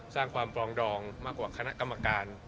สร้างความปรองดองมากกว่าคณะกรรมการ